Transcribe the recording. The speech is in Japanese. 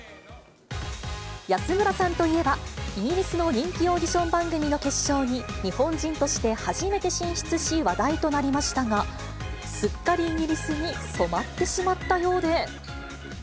安村さんといえば、イギリスの人気オーディション番組の決勝に、日本人として初めて進出し、話題となりましたが、すっかりイギリスに染まってしまったようで。